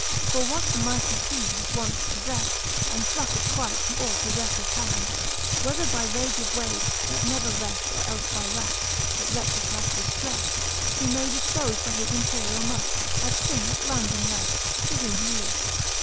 For what the mighty fea hath once pofleft, And plucked quite from all pofleflbrs hand, Whether by rage of waves, that never reft. Or elfe by wracke, that wretches hath diftreft. He may difpole by his imperiall might, As thing at randon left, to whom he lift.